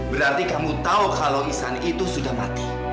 berarti kamu tahu kalau isan itu sudah mati